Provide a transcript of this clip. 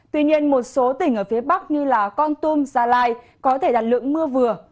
tuy nhiên một số tỉnh ở phía bắc như con tum gia lai có thể đạt lượng mưa vừa